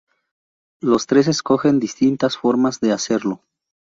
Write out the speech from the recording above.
Los tres escogen distintas formas de hacerlo.